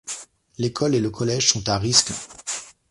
L'école et le collège sont à Riscle.